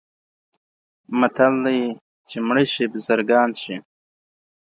متل دی: چې مړه شي بزرګان شي.